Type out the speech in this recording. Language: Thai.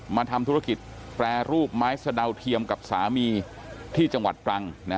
มาทำธุรกิจแปรรูปไม้สะดาวเทียมกับสามีที่จังหวัดตรัง